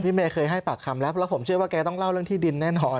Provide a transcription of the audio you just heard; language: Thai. เมย์เคยให้ปากคำแล้วเพราะผมเชื่อว่าแกต้องเล่าเรื่องที่ดินแน่นอน